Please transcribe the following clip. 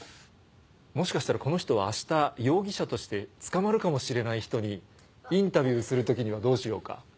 もしかしたらこの人は明日容疑者として捕まるかもしれない人にインタビューする時にはどうしようか？